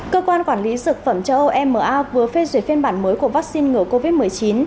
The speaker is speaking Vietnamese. cơ quan quản lý dược phẩm cho oma vừa phê duyệt phiên bản mới của vaccine ngừa covid một mươi chín